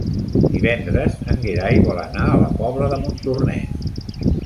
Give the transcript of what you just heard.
Divendres en Gerai vol anar a la Pobla de Montornès.